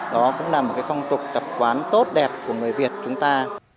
đó cũng là một phong tục tập quán tốt đẹp của người việt chúng ta